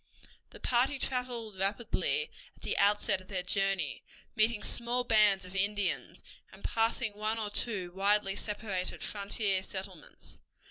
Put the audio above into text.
The party traveled rapidly at the outset of their journey, meeting small bands of Indians, and passing one or two widely separated frontier settlements.